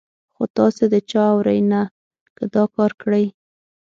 خو تاسې د چا اورئ نه، که دا کار کړئ.